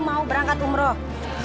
mau berangkat umroh